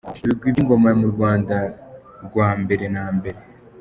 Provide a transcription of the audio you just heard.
Ibigwi by’Ingoma mu Rwanda rwa mbere na mbere.